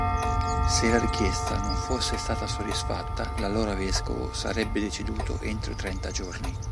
Se la richiesta non fosse stata soddisfatta l'allora vescovo sarebbe deceduto entro trenta giorni.